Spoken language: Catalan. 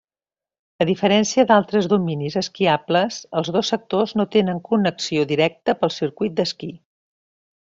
A diferència d'altres dominis esquiables, els dos sectors no tenen connexió directa per circuit d'esquí.